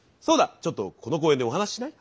ちょっとこの公園でお話ししない？